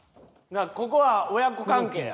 ここは親子関係や。